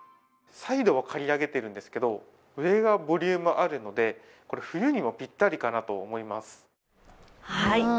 サイドは刈り上げてるんですけど上がボリュームあるので冬にもぴったりかなと思います。